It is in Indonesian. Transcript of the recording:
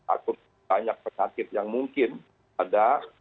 aku tanya penyakit yang mungkin ada